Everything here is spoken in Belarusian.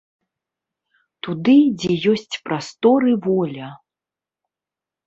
Туды, дзе ёсць прастор і воля!